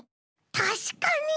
たしかに！